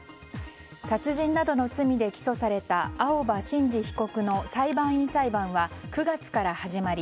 殺人などの罪で起訴された青葉真司被告の裁判員裁判は９月から始まり